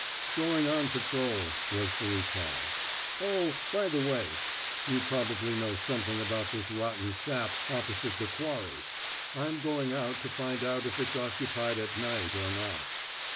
"Going on patrol," was the reply. "Oh, by the way, you probably know something about this rotten sap opposite the Quarry. I'm going out to find out if it's occupied at night or not."